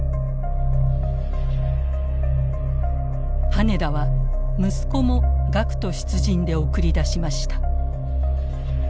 羽田は息子も学徒出陣で送り出しました。